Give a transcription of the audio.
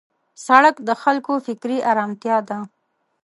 سړک د خلکو فکري آرامتیا ده.